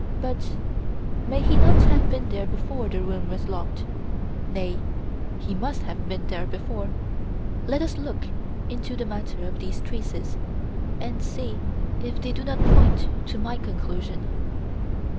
But may he not have been there before the room was locked. Nay, he must have been there before! Let us look into the matter of these traces and see if they do not point to my conclusion.